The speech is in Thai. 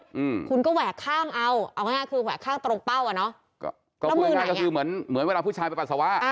อืมคุณก็แหวกข้างเอาเอาง่ายคือแหวกข้างตรงเป้าอ่ะเนอะแล้วมือไหนเนี่ยก็คือเหมือนเหมือนเวลาผู้ชายไปปรัสสาวะ